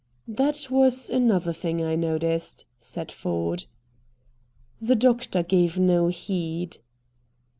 "That was another thing I noticed," said Ford. The doctor gave no heed.